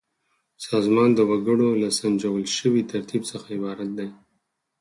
سازمان د وګړو له سنجول شوي ترتیب څخه عبارت دی.